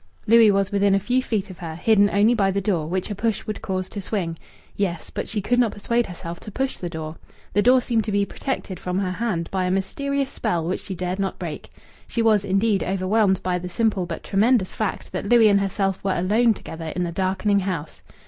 Louis was within a few feet of her, hidden only by the door which a push would cause to swing!... Yes, but she could not persuade herself to push the door! The door seemed to be protected from her hand by a mysterious spell which she dared not break. She was, indeed, overwhelmed by the simple but tremendous fact that Louis and herself were alone together in the darkening house.